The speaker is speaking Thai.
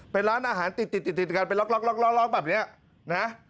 เป็นร้านอาหารติดติดกันไปล็อกแบบนี้นะ